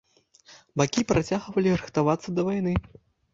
Бакі працягвалі рыхтавацца да вайны.